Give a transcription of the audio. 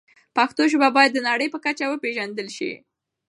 پښتو ژبه باید د نړۍ په کچه وپیژندل شي.